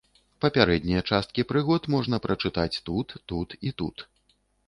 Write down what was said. Папярэднія часткі прыгод можна прачытаць тут, тут і тут.